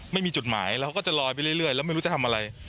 ไม่มีจุดหมายเราก็จะลอยไปเรื่อยแล้วไม่รู้จะทำอะไร